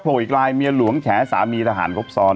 อีกลายเมียหลวงแฉสามีทหารครบซ้อน